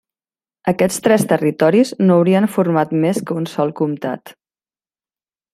Aquests tres territoris no haurien format més que un sol comtat.